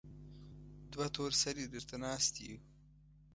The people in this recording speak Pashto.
دوه تور سرې درته ناستې يو.